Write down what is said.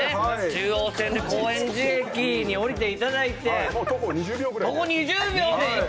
中央線で高円寺駅に下りていただいて徒歩２０秒ぐらい。